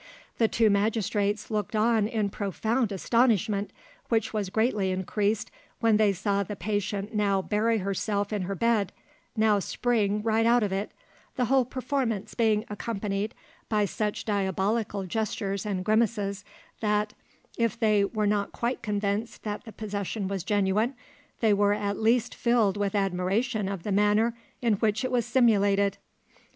The two magistrates looked on in profound astonishment, which was greatly increased when they saw the patient now bury herself in her bed, now spring right out of it, the whole performance being accompanied by such diabolical gestures and grimaces that, if they were not quite convinced that the possession was genuine, they were at least filled with admiration of the manner in which it was simulated.